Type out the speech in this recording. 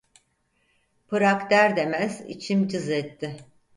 Prag der demez içim cız etti.